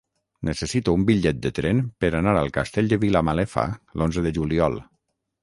Necessito un bitllet de tren per anar al Castell de Vilamalefa l'onze de juliol.